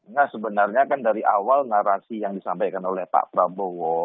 nah sebenarnya kan dari awal narasi yang disampaikan oleh pak prabowo